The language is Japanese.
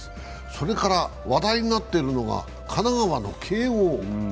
それから話題になっているのが神奈川の慶応。